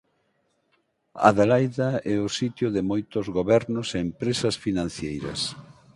Adelaida é o sitio de moitos gobernos e empresas financeiras.